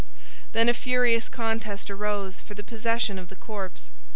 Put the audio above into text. Then a furious contest arose for the possession of the corpse.